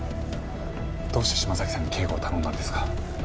どうして島崎さんに警護を頼んだんですか？